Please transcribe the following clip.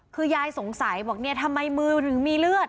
คือยายสงสัยทำไมมือถึงมีเลือด